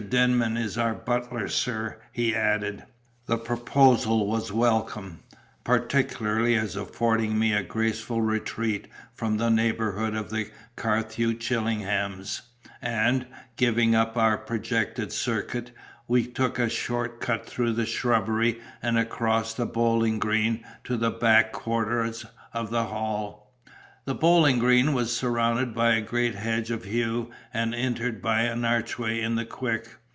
Denman is our butler, sir," he added. The proposal was welcome, particularly as affording me a graceful retreat from the neighbourhood of the Carthew Chillinghams; and, giving up our projected circuit, we took a short cut through the shrubbery and across the bowling green to the back quarters of the Hall. The bowling green was surrounded by a great hedge of yew, and entered by an archway in the quick.